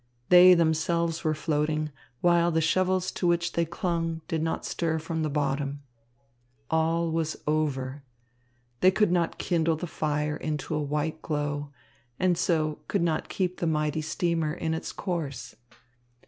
They themselves were floating, while the shovels to which they clung did not stir from the bottom. All was over. They could not kindle the fire into a white glow, and so could not keep the mighty steamer in its course.